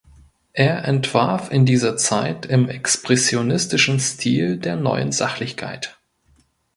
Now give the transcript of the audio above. Er entwarf in dieser Zeit im expressionistischen Stil der Neuen Sachlichkeit.